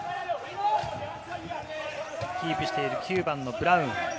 キープしている９番のブラウン。